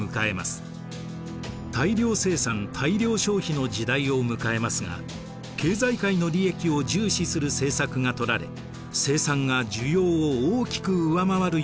大量生産・大量消費の時代を迎えますが経済界の利益を重視する政策がとられ生産が需要を大きく上回るようになります。